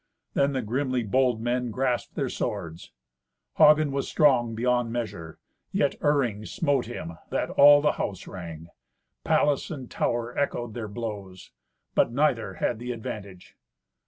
Then the grimly bold men grasped their swords. Hagen was strong beyond measure, yet Iring smote him, that all the house rang. Palace and tower echoed their blows. But neither had the advantage.